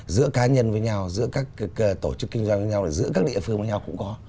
giữa cá nhân với nhau giữa các tổ chức kinh doanh với nhau là giữa các địa phương với nhau cũng có